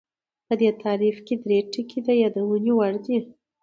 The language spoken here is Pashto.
په دې تعریف کې درې ټکي د یادونې وړ دي